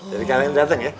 jadi kalian dateng ya